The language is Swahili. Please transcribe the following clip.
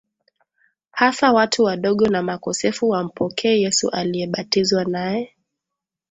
hasa watu wadogo na makosefu wampokee Yesu aliyebatizwa naye